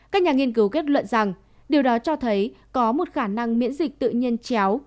các nhà nghiên cứu kết luận rằng điều đó cho thấy có một khả năng miễn dịch tự nhiên chéo